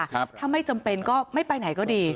ถ้าไม่จำเป็นก็ไม่ไปไหนก็ดี